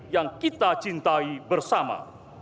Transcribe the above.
yang kita cintai bersama